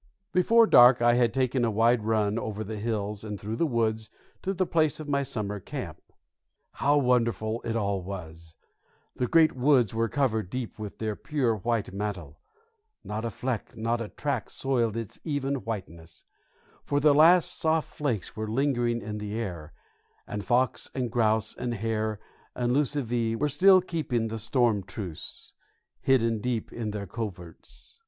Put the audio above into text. Before dark I had taken a wide run over the hills and through the woods to the place of my summer camp. How wonderful it all was! The great woods were covered deep with their pure white mantle; not a fleck, not a track soiled its even whiteness; for the last soft flakes were lingering in the air, and fox and grouse and hare and lucivee were still keeping the storm truce, hidden deep in their coverts.